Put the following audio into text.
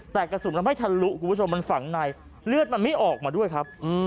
แต่กระสุนมันไม่ทะลุคุณผู้ชมมันฝังในเลือดมันไม่ออกมาด้วยครับ